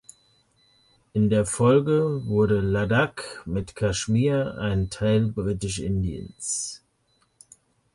In der Folge wurde Ladakh mit Kaschmir ein Teil Britisch-Indiens.